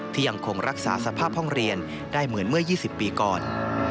ยังคงรักษาสภาพห้องเรียนได้เหมือนเมื่อ๒๐ปีก่อน